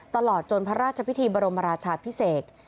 ตลอดจนพระราชพิธีบรมราชาพิเศษ